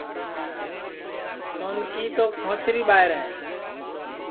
سونکی تو کھوچری ٻائیر ہے